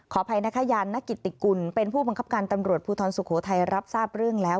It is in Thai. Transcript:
อภัยนะคะยานนกิติกุลเป็นผู้บังคับการตำรวจภูทรสุโขทัยรับทราบเรื่องแล้ว